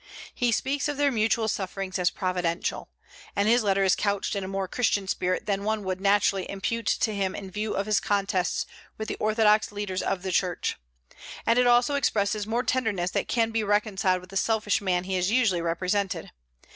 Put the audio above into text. He speaks of their mutual sufferings as providential; and his letter is couched in a more Christian spirit than one would naturally impute to him in view of his contests with the orthodox leaders of the Church; and it also expresses more tenderness than can be reconciled with the selfish man he is usually represented.